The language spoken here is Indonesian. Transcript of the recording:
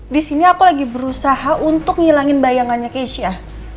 disini aku lagi berusaha untuk ngilangin bayangannya keisha